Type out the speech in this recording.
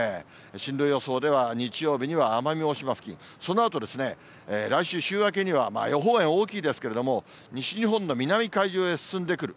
進路予想では、日曜日には奄美大島付近、そのあと来週週明けには、予報円大きいですけれども、西日本の南海上へ進んでくる。